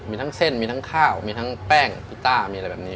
มีทั้งเส้นมีทั้งข้าวมีทั้งแป้งกีต้ามีอะไรแบบนี้